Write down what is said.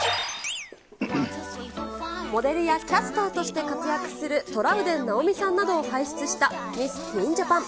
モデルやキャスターとして活躍するトラウデン直美さんなどを輩出したミス・ティーン・ジャパン。